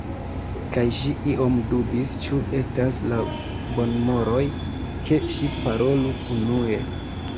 Kaj ŝi iom dubis ĉu estas laŭ bonmoroj ke ŝi parolu unue.